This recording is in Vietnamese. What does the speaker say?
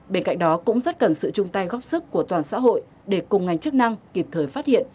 bên cạnh đó cũng rất cần sự chung tay góp sức của toàn xã hội để cùng ngành chức năng kịp thời phát hiện